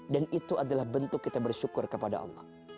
dan itu adalah bentuk kita bersyukur kepada allah